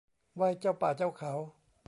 ไหว้เจ้าป่าเจ้าเขา